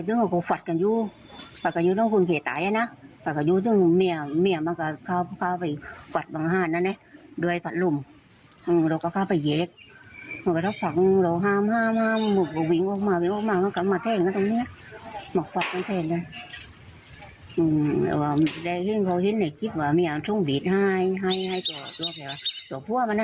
แต่เพราะเห็นในคิดว่ามีอย่างทรงบีดให้ให้ตัวผัวมันน่ะ